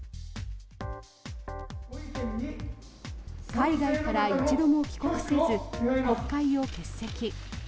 海外から一度も帰国せず国会を欠席。